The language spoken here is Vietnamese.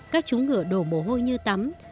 các chúng ngựa đổ mồ hôi như tắm